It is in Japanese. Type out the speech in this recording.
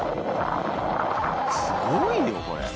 すごいよこれ。